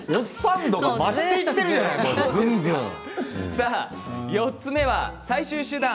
さあ、４つ目は最終手段。